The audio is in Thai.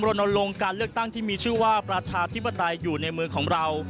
ลงการเลือกตั้งที่มีชื่อว่าประชาธิปไตยอยู่ในมือของเรา